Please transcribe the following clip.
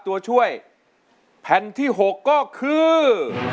ตัวช่วยแผ่นที่๖ก็คือ